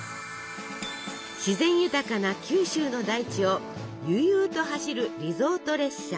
自然豊かな九州の大地を悠々と走るリゾート列車。